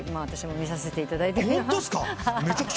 私も見させていただいて。